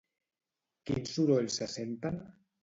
Quins sorolls se senten?